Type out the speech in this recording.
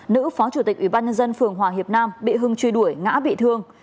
nữ phó chủ tịch ủy ban nhân dân phường hòa hiệp nam bị hưng truy đuổi ngã bị thương